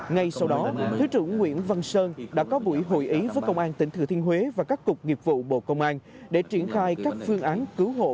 ngay sau đó thứ trưởng nguyễn văn sơn đã có buổi hội ý với công an tỉnh thừa thiên huế và các cục nghiệp vụ bộ công an để triển khai các phương án cứu hộ